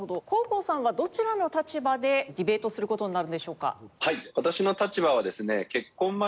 黄皓さんはどちらの立場でディベートをする事になるんでしょうか？